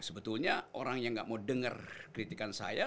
sebetulnya orang yang nggak mau dengar kritikan saya